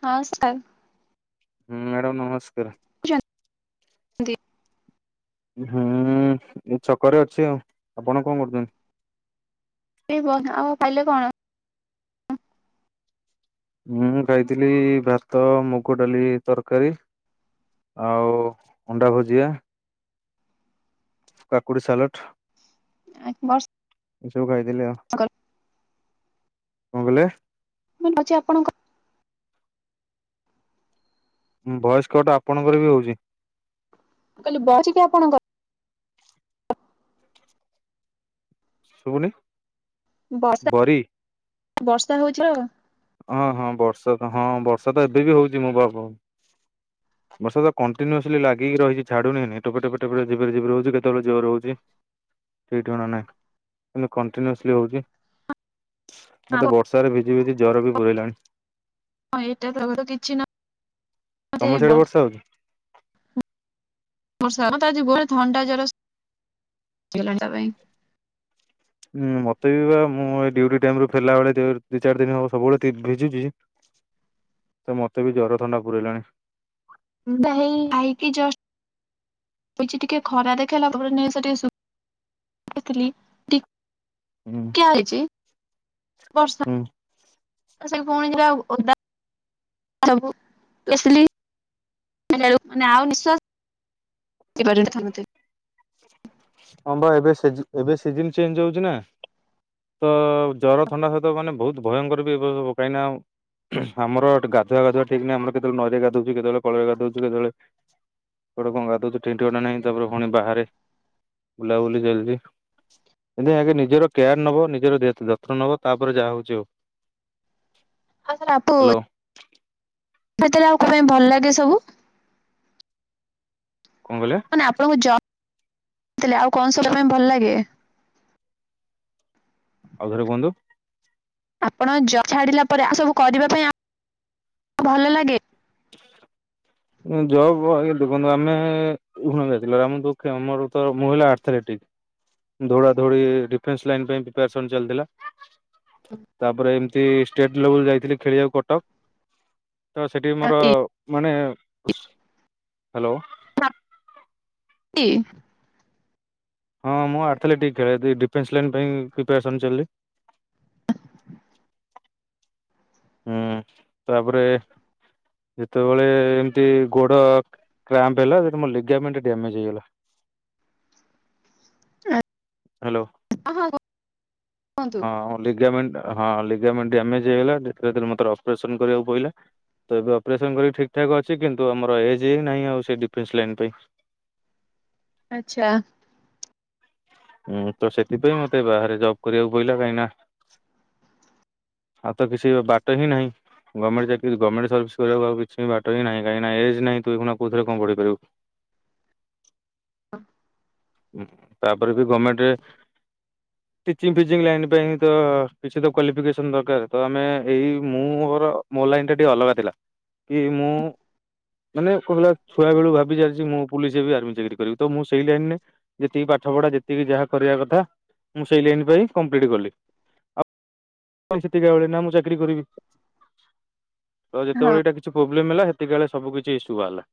ହଁ ସାର୍ ହୁଁ ମ୍ୟାଡ଼ାମ ନମସ୍କାରେ। ଚ-ନ୍ତି ହୁଁ ଏ ଛକରେ ଅଛି ଆଉ ଆପଣ କଣ କରୁଚନ୍ତି? ଏଇ ବ ଆଉ ଖାଇଲେ କଣ? ମୁଁ ଖାଇଥିଲି ଭାତ, ମୁଗ ଡାଲି ତରକାରୀ ଆଉ ଅଣ୍ଡା ଭୁଜିଆ କାକୁଡି ସାଲଟ୍। ଆଁଇ ବର୍ଷ୍ ଏସବୁ ଖାଇଥିଲେ ଆଉ କଣ କହିଲେ? [unintelligible] ଆପଣଙ୍କ ଉଁ ଭଏସ କଟ୍ ଆପଣଙ୍କର ବି ହୋଉଚି। ମୁଁ କହିଲି [unintelligible] ଆପଣଙ୍କର। ଶୁବୁନି। ବର୍ଷା ବର୍ଷା ହୋଉଚି [unintelligible] ଅଁହଁ ବର୍ଷା ତ ହଁ ବର୍ଷା ତ ଏବେ ବି ହୋଉଚି ମୋ [unintelligible] ବର୍ଷା ତ କଣ୍ଟିନ୍ୟୁଅସ୍ଲି ଲାଗିକି ରହିଛି ଛାଡୁନି [unintelligible] ଟୋପେ ଟୋପେ ଟୋପେ ସେଇ ଝିପିରି ଝିପିରି ହୋଉଚି କେତୋବୋଳେ ଜୋରୋ ହୋଉଚି। ଠିକ୍ ଠିକଣା ନାହିଁ କିନ୍ତୁ କଣ୍ଟିନ୍ୟୁଅସ୍ଲି ହୋଉଚି। ମତେ ଆଉ। ବର୍ଷାରେ ଭିଜି ଭିଜି ଜର ବି ପୁରେଇଲାଣି। [unintelligible] ନଥାଏ ତମ ଶ୍ୟାଡେ ବର୍ଷ ହୋଉଚି। ବର୍ଷା ମତେ ଆଜି ପୁରା ଥଣ୍ଡା ଜର ହେଇଗଲାଣି ତା ପାଇଁ। ହୁଁ ମତେ ବି ବା ମୁଁ ଏଇ ଡ୍ୟୁଟି ଟାଇମ ରୁ ଫେରିଲା ବେଳେ [unintelligible] ଦୁଇ ଚାରି ଦିନ ହବ ସବୁବୋଳେ ତି ଭିଜୁଚି [inaudible] ତ ମତେ ବି ଜର ଥଣ୍ଡା ପୁରେଇଲାଣି। ମୁଁ ପା ହେଇ [unintelligible] ଶୋଇଚି ଟିକେ ଖରା ଦେଖେଇଲା [unintelligible] [unintelligible] ହୁଁ। [unintelligible] ବର୍ଷା ହୁଁ [unintelligible] [unintelligible] ମାନେ ଆଉ [unintelligible] [unintelligible] ହଁ ବା ଏବେ ସିଜି ଏବେ ସିଜିନ ଚେଞ୍ଜ ହୋଉଚି ନା ତ ଜର ଥଣ୍ଡା ସହିତ ମାନେ ବୋହୁତ ଭୟଙ୍କର ବି [unintelligible] କାହିଁକି ନା ଆମର ଟି ଗାଧୁଆ ଫାଧୁଆ ଠିକ୍ ନାହିଁ ଆମର କେତୋବୋଳେ ନଈରେ ଗାଧୋଉଚୁ କେତୋବୋଳେ କଳରେ ଗଧୋଚୁ କେତୋବୋଳେ କୁଆଡେ କଁ ଗାଧୋଉଚୁ ଠିକ୍ ଠିକଣା ନାଇଁ ତାପରେ ଫୁଣି ବାହାରେ ବୁଲାବୁଲି ଚାଲିଚି। [unintelligible] ନିଜର କେୟାର ନବ ନିଜର [unintelligible] ଯତ୍ନ ନବ ତାପରେ ଯାହା ହୋଉଚି ହୋଉ। ଆଉ [unintelligible] ହ୍ୟାଲୋ [unintelligible] ଆଉ କଁ ପାଇଁ ଭଲ ଲାଗେ ସବୁ। କଁ କହିଲେ। ମାନେ ଆପଣଙ୍କୁ ଜ ଥିଲେ ଆଉ କଁ [unintelligible] ପାଇଁ ଭଲ ଲାଗେ। ଆଉ ଥରେ କୁହନ୍ତୁ। ଆପଣଙ୍କ ଜ ଛାଡ଼ିଲା ପରେ ଆଉ ସବୁ କରିବା ପାଇଁ [unintelligible] ଭଲ ଲାଗେ। [inaudible] ଜବ୍ ଆଜ୍ଞା ଦେଖନ୍ତୁ ଆମେ [unintelligible] ମୁଁ ହେଲେ [unintelligible] ଧୌଡା ଧୌଡି ଡିଫେନ୍ସ ଲାଇନ୍ ପାଇଁ ପ୍ରିପାରେସନ୍ ଚାଲିଥିଲା। ତାପରେ ଏମତି ଷ୍ଟେଟ୍ ଲେବୁଲ୍ ଯାଇଥିଲେ ଖେଳିବାକୁ କଟକ। ତ ସେଠି ବି ମୋରୋ ମାନେ ହାଲୋ। [unintelligible] ହଁ ମୁଁ ଆର୍ଥଲେଟିକ୍ ଖେଳି ଦି ଡିଫେନ୍ସ ଲାଇନ୍ ପାଇଁ ପ୍ରିପାରେସନ୍ [unintelligible] ହୁଁ ତାପରେ ଯେତୋବୋଳେ ଏମିତି ଗୋଡ଼ କ୍ରାମ୍ପ ହେଲା ସେଠୁ ମୋ ଲିଗାମେଣ୍ଟ ଡ୍ୟାମେଜ୍ ହେଇଗଲା। [unintelligible] ହାଲୋ ହଁ ହଁ କୁହନ୍ତୁ। ହଁ ଲିଗାମେଣ୍ଟ ହଁ ଲିଗାମେଣ୍ଟ ଡ୍ୟାମେଜ ହେଇଗଲା [unintelligible] ଅପରେସନ କରିବାକୁ ପଇିଲା। ତ ଏବେ ଅପରେସନ କରିକି ଠିକ ଠାକ୍ ଅଛି କିନ୍ତୁ ଆମର ଏଜ ହିଁ ନାହିଁ ଆଉ ସେ ଡିଫେନ୍ସ ଲାଇନ ପାଇଁ। ଆଚ୍ଛା। ହୁଁ ତ ସେଥିପାଇଁ ମତେ ବାହାରେ ଜବ୍ କରିବାକୁ ପଇଲା କାହିଁଙ୍କି ନା ଁ ଆଉ ତ କିଛି ବାଟ ହିଁ ନାହିଁ। ଗମେଣ୍ଟ ଚାକିରି ଗମେଣ୍ଟ ସର୍ଭିସ୍‌ କରିବାକୁ ଆଉ କିଛି ବାଟ ହିଁ ନାହିଁ କାହିଁଙ୍କିନା ଏଜ୍‌ ନାହିଁ ତୁଇ ଏଗୁଣା କୋଉଥିରେ କଣ ପଢ଼େଇ ପାରିବୁ। ହ। ହୁଁ ତାପରେ ବି ଗମେଣ୍ଚେ ହ ଟିଚିଂ ଫିଚିଂ ଲାଇନ ପାଇଁ ତ କିଛି ତ କ୍ଵାଲିଫିକେସନ ଦରକାର ତ ଆମେ ହେଇ ମୁଁ ମୋର ମୋ ଲାଇନ ଟା ଟିକେ ଅଲଗା ଥିଲା କି ମୁଁ ମାନେ କହିଲା ଛୁଆବେଳୁ ଭାବିଛି ଆଜି ମୁଁ ପୁଲିସ ହେବ ଆର୍ମି ଚାକିରି କରିବି ତ ମୁଁ ସେଇ ଲାଇନ ରେ ଯେତିକି ପାଠ ପଢା ଯେତିକି ଯାହା କରିବା କଥା ମୁଁ ସେଇ ଲାଇନ ପାଇଁ କମ୍ପ୍ଲିଟ କଲି। ସେତିକି ଭେଳେ ନା ମୁଁ ଚାକିରି କରିବି ଆଉ ହଁ। ଯେତେବେଳେ ଏଇଟା କିଛି ପ୍ରୋବ୍ଲେମ୍ ହେଲା ହେତିକି ବେଳେ ସବୁ କିଛି ଇସୁ ବାହାଲା।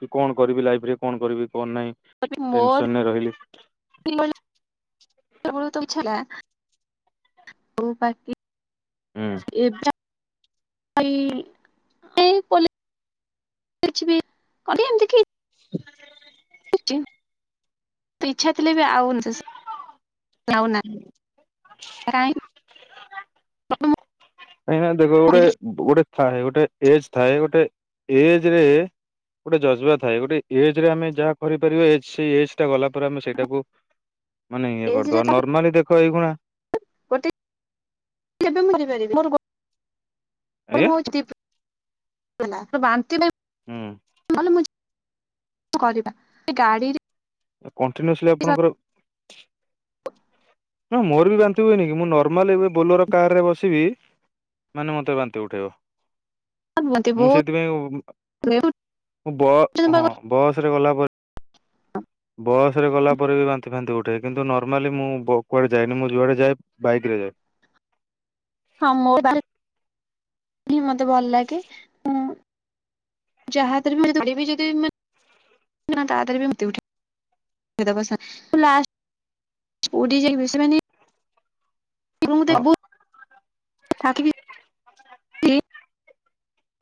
କି କଣ କରିବି ଲାଇପିରେ କଣ କରିବି କଣ ନାହିଁ। [unintelligible] ମୋର ଟେନସନରେ ରହିଲି ସେତବେଳୁ ତ ଇଛା ହେଲା ବାକି ହୁଁ ଏଇପା କ [unintelligible] ଏମିତି କି ଚିଙ୍ଗ୍ ଇଛା ଥିଲେ ବି ଆଉ ବିସେସ୍ ଆଉନା। କାଇଁ ପ୍ରଥମ କାହିଁକିନା ଦେଖ ଗୋଟେ ଗୋଟେ ଥାଏ ଗୋଟେ ଏଜ୍‌ ଥାଏ ଗୋଟେ ଏଜେ ରେ ଗୋଟେ ଯଜବା ଥାଏ ଗୋଟେ ଏଜେ ରେ ଆମେ ଯାହା କରିପାରିବା ଏଜ୍‌ ସେଇ ଏଜ୍‌ ଟା ଗଲା ପରେ ଆମେ ସେଇଟାକୁ ମାନେ ଇଏ ଏଜ୍ ରେ କରିଦବା ତାପରେ ନର୍ମାଲି ଦେଖ ଏଇଗୁଣା ଗୋଟେ କେବେ ମୁଁ ବୁଝି ପାରିବି। ଉ ଆଜ୍ଞା [unintelligible] ବାନ୍ତି ନ ହୁଁ ହେଲେ ମୁଁ କରିବା ଗାଡିରେ କଣ୍ଟିନ୍ୟୁସଲି ଆପଣଙ୍କର ନା ମୋର ବି ବାନ୍ତି ହୁଏନି କି ମୁଁ ନର୍ମାଲ ଏବେ ବୋଲୋର କାର ରେ ବସିବି ମାନେ ମତେ ବାନ୍ତି ଉଠେଇବ। ମତେ ମୁଁ ବହୁତ ସେଇଥି ପାଇଁ ମୁ ବ ହଁ ବସ ରେ ଗଲା ପରେ ଅଁ। ବସ ରେ ଗଲା ପରେ ବି ବାନ୍ତି ଫାନ୍ତି ଉଠେ କିନ୍ତୁ ନର୍ମାଲି ମୁଁ କୁଆଡେ ଯାଇନି ମୁଁ ଯୁଆଡେ ଯାଏ ବାଇକିରେ ଯାଏ। ହଁ ମୋ ବାଟେ ଲି ମତେ ଭଲ ଲାଗେ ଉଁ ଯାହା ହାତରେ ବି ଦେବି ଯଦି ମା ନା ତାଥିରେ ବି ମୁତି ଉଠେ ଦେବସା ଲାଷ୍ଟ ଉଡି ଯାଇ ବିଶ୍ରା ନିଏ। ବହୁତ୍ ହେଲା ହଁ। ବହୁତ୍। ଠାକିବି।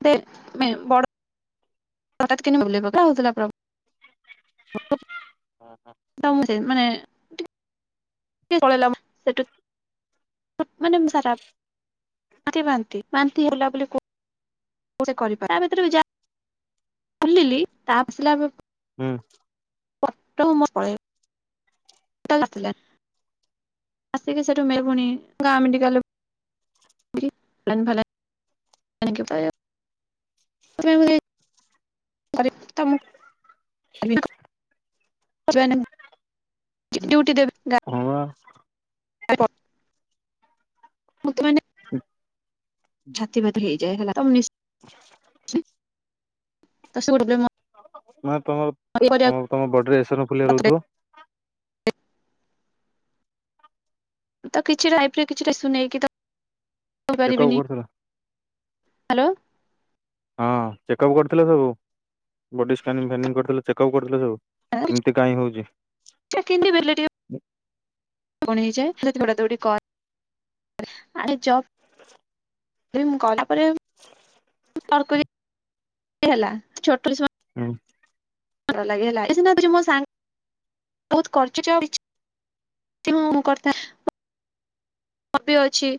ଦେ ମେ ବଡ। ହଠାତ୍ କିନି ଭୁଲ୍‌ରେ ପକା ହେଉଥିଲା ପ୍ରଭୂ। [unintelligible] ହୁଁ ହୁଁ। ତ ସେ ମାନେ ପଳେଇ ସେଠୁ ମାନେ ମୁ ସାର୍ ଆପ୍ ବାନ୍ତି ବାନ୍ତି ହେଲା ବୋଲି କୋ ସେ କରିପାରେ ଭିତରକୁ ଯା ବୁଲିଲି ତାପ ଆସିଲା ବେଳକୁ ହୁଁ। ପଟମ ପଳେଇ ଟୋଟାଲ ଆସିଲାନି ଆସିକି ସେଠୁ ମେ ପୁଣି ଗାଁ ମେଡିକାଲ [unintelligible] [unintelligible] [unintelligible] ହଁ। [unintelligible] [unintelligible] [unintelligible] ଛାତି [unintelligible] ହେଇଯାଏ ହେଲା [unintelligible] ନା ତମର ତମ ତମ ବଡିରେ ଏସନଫୁଲିଆ ରହୁଥିବ? [unintelligible] ଚେକଅପ୍ ପାରିବିନି। କରିଥିଲ ହାଲୋ। ହଁ ଚେକଅପ୍ କରିଥିଲ ସବୁ ବଡ଼ି ସ୍କାନିଂ ଫ୍ୟାନିଂ କରିଥିଲ ଚେକପ୍ କରିଥିଲ ସବୁ? ଏମିତି କାଇଁ ହଉଚି? [unintelligible] କଣ ହେଇଯାଏ ହେଲେ ଦୌଡାଦୌଡି କ [unintelligible] ମୁଁ ଗଲା ପରେ [inaudible] [unintelligible] ହେଲା ଛୋଟଛୁଆ ହୁଁ। [unintelligible] [unintelligible] [unintelligible] ଅଛି।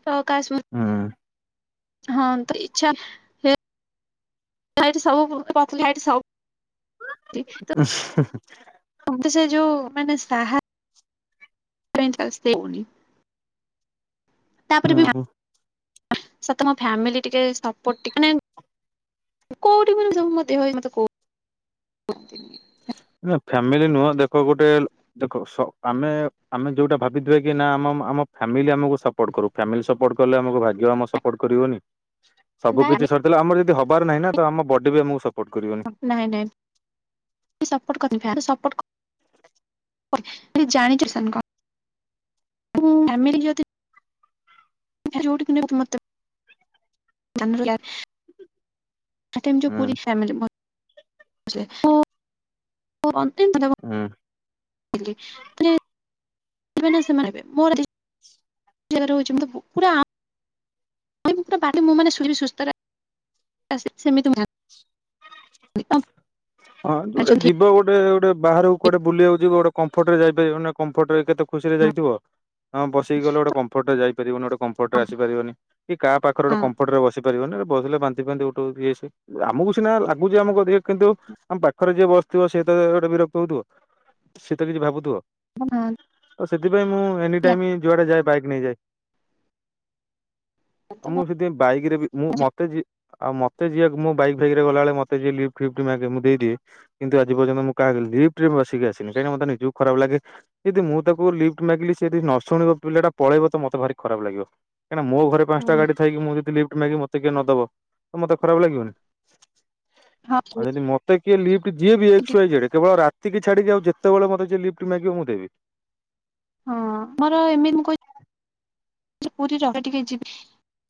ହୁଁ। ହଁ ତ ଇଚ୍ଛା ସେ ସବୁ [unintelligible] ଉଁ ହୁଁ। ମତେ ସେ ଯୋଉ ମାନେ ସାହା [unintelligible] ତାପରେ ବି ହୁଁ ସ ତମ ଫ୍ୟାମିଲି ଟିକେ ସପୋର୍ଟିଙ୍ଗ ମାନେ କୋଉଠି ମ [unintelligible] କହ [unintelligible] ନା। ଫ୍ୟାମିଲି ନୁହଁ। ଦେଖ ଗୋଟେ ଦେଖ। ଆମେ, ଆମେ ଯୋଉଟା ଭାବିିବେ। କି ନା, ଆମ ଆମ ଫାମିଲି ଆମକୁ ସପୋଟ କରୁ। ଫାମିଲି ସପୋର୍ଟ କଲେ, ଆମକୁ ଭାଗ୍ୟ ଆମ ସପୋର୍ଟ କରିବନି। [inaudible] ସବୁ କିଛି ସରିଥିଲା। ଆର ଯଦି ହବାର ନାହିଁ ନା, ତ ଆମ ବଡି ବି ଆମକୁ ସପୋର୍ଟ କରିବନି। ନାଇଁ। ନାଇଁ। ସପୋର୍ଟ [unintelligible] ସପୋର୍ଟ ଜାଣିଛ ସ କର। ଫ୍ୟାମିଲି ଯ ଯୋଉଠି କି ମତେ [unintelligible] [unintelligible] ଟୋ ହୁଁ ପୁରୀ ଫ୍ୟାମିଲୀ, [unintelligible] ହୁଁ। [unintelligible] ନା ସେମାନେ ମୋର ଜାଗ ରହୁଛି। ପୁରା ବା ମୁଁ ମାନେ, ସୁସ୍ଥ ସେମିତି ଜାଣିଲି ତ ହଁଉ। ଗୋଟେ ଜାଣିଛନ୍ତି ଯିବ। ଗୋଟେ, ଗୋଟେ ବାହାରକୁ କୁଆଡେ ବୁଲି ଯାଉଛି। ଗୋଟେ କମ୍ଫଟରେ ଯାଇପାରିବାନେ। କମ୍ଫଟ ରେ କେତେ ଖୁସି ରେ ଯାଇଥିବ। ହଁ ବସିକି ଗଲେ ଗୋଟେ କମ୍ଫର୍ଟ ଯାଇ ଗେଟରେ ଆସିପାରିବନି। କି କା ପାଖ ଗ ହଁ ହପଟରେ ବସି ପାରିବନି। ବସିଲେ ବାନ୍ତି ଫାନ୍ତି ଗୋଟେ ଇଏ। ଆମକୁ ସିନା ଲାଗୁଛି ଆମକୁ, କିନ୍ତୁ ଆମ ପାଖରେ ଯିଏ ବସିଥିବ, ସିଏ ତ ଗୋଟେ ବିରକ୍ତ ହଉଥିବ। ସେଏ ତ କିଛି ଭାବୁଥିବ। ହଁ। ଆଉ ସେଥିପାଇଁ ମୁଁ ଏନି ଟାଇମ୍ ଯୁଆଡ଼େ ଯାଏ ବାଇକ୍ ନେଇଯାଏ। ମୁଁ ସେଥିପାଇଁ ବାଇକ୍ ରେ ବି ମୁଁ ମତେ ବି ଆଉ ମତେ ଯିଏ ମୁଁ ବାଇକୂ ଫାଇକ୍ ରେ ଗଲାଅଳେ ମତେ ଯିଏ ଲିପ୍ଟ ଫିପ୍ଟ ମାଗେ ମୁଁ ଦେଇ ଦିଏ କିନ୍ତୁ ଆଜି ପର୍ଯ୍ୟନ୍ତ ମୁଁ କାହା ଲିପ୍ଟରେ ବସିକି ଆସିିନି। କାହିଁକି ନା ମତେ ନିଜକୁ ଖରାପ ଲାଗେ। ଯଦି ମୁଁ ତାକୁ ଲିଫ୍ଟ ମାଗିଲି ସେ ଯଦି ନ ଶୁଣିବ, ପିଲାଟା ପଳେଇବ‌ ତ ମତେ ଭାରି ଖରାପ ଲାଗିବ। କାହିଁ ନା ମୋ ଘରେ ପାଁଶଟା ଗାଡ଼ି ଥାଇକି ମୁଁ ଯଦି ଲିଫ୍ଟ ମାଗିବି, ମୋତେ କିଏ ନଦବ ତ ମୋତେ ଖରାପ ଲାଗିବନି? ହଁ ଆଉ ଯଦି ମତେ କିଏ ଲିପ୍ଟ ଦିଏ ବି ଏକ୍ସ ୱାଇ ଜେଡ଼୍ କେବଳ ରା ତିିକି ଛାଡ଼ିକି ଆଉ ଯେତବେଳେ ମତେ ଯିଏ ଲିପ୍ଟ ମାଗିବ ମୁଁ ଦେବି। ହଁ। ମୋର ଏମିତି ମୁଁ କ ପୁରୀ ରଗା ଟିକେ ଯିବି।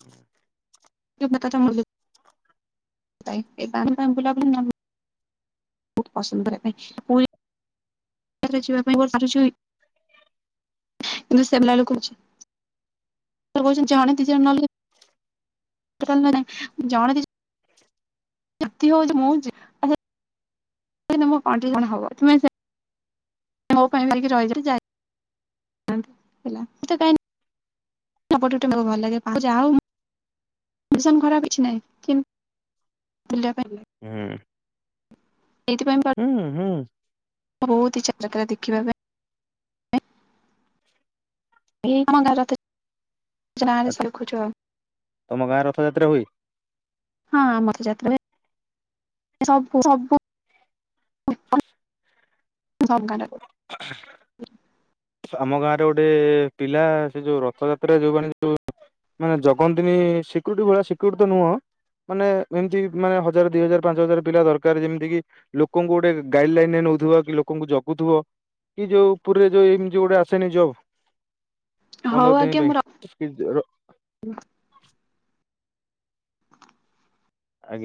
ହଁ। ଯୋଉ ବେକା ତ ମୋହୁଲି ପାଇଁ ଏ ପାଣି ପାଇଁ ବୁଲାବୁଲି ନଲ୍ ବୋହୁତ୍ ପସନ୍ଦ କରିବା ପାଇଁ ପୁରୀ ଲା ଥରେ ଯିବା ପାଇଁ ବର୍ଷାରେ ଯୁଇ କିନ୍ତୁ ସେଲାଳୁ କହୁଚି [unintelligible] କହୁଚି ଜଣେ ଦି ଜଣ ନହେଲେ କିଥନ୍ ମେନେ ଜଣେ ଦି ଯତି ହଉଚି ମୁଁ ଯେ ଏଯେ ଦିନ ମୋ କଣ୍ଡି କଣ ହବ ତୁମେ ସେ ମୋ ପାଇଁ ଭାରିକି ରହି ତି ଯାଇ ହେଲା ଏତେ କାଇଁ ଏପଟୁ ଟେ ମେ ଭଲ ଲାଗେ ପ ଯା ହଉ ମିସନ୍ ଖରାପ କିଛି ନାହିଁ ଥିମ୍ ବୁଲିବା ପାଇଁ ହୁଁ। ଏଇଥିପାଇଁ ପ ହୁଁ। ହୁଁ। ବୋହୁତ ଇଚ୍ଛା ଯାକାରା ଦେଖିବା ପାଇଁ। ଏଇ ଆମ ଗାଁ ରଥ ଚେ ଆଉ ଗାଁରେ ସେ ଦେଖୁଚୁ ଆଉ। ତମ ଗାଁ ରଥଯାତ୍ରା ହୁଏ? ହଁ ଆମର ତ ଯାତ୍ରା ହୁଏ ସବୁ ସବୁ ଉଁ ଜଗା ଡାକୁ। [unintelligible] ସୁ ଆମ ଗାଁରେ ଗୋଟେ ପିଲା ସେ ଯୋଉ ରଥଯାତ୍ରା ଯୋଉମାନେ ଯୋଉ ମାନେ ଜଗନ୍ତିିବି ସିକ୍ୟୁରିଟି ଭଳିଆ ସିକ୍ୟୁରିଟି ତ ନୁହଁ। ମାନେ ଏମିତି ମାନେ ହଜାର ଦି ହଜାର ପାଞ୍ଚ ହଜାର ପିଲା ଦରକାର ଯେମିତି କିି ଲୋକଙ୍କୁ ଗୋଟେ ଗାଇଡ଼ ଲାଇନ୍ ରେ ନଉଥୁବ କି ଲୋକଙ୍କୁ ଜଗୁଥିବ କି ଯୋଉ ପୁରୀରେ ଯୋଉ ଏମି ଯୋଉ ଗୋଟେ ଆସେନି ଜବ୍ ପନ୍ଦର ଦିନ ପାଇଁ କି ଜର ଉନ ଆଜ୍ଞା